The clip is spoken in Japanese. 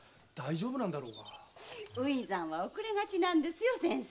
初産は遅れがちなんですよ。